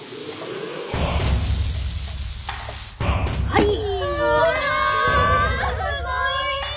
はい。